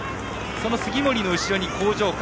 その杉森の後ろに興譲館。